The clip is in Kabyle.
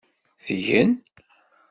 Tgen.